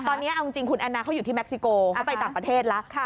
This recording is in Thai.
ตอนนี้เอาจริงคุณแอนนาเขาอยู่ที่เค็กซิโกเขาไปต่างประเทศแล้ว